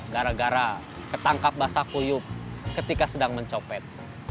gara gara ketangkap basah kuyuk ketika sedang mencopet